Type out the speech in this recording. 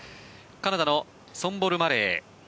カナダのソンボル・マレー。